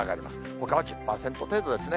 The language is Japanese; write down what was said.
ほかは１０％程度ですね。